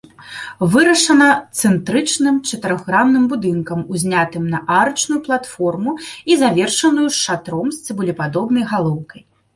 Вырашана цэнтрычным чатырохгранным будынкам, узнятым на арачную платформу і завершаную шатром з цыбулепадобнай галоўкай.